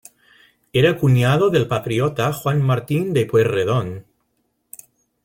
Era cuñado del patriota Juan Martín de Pueyrredón.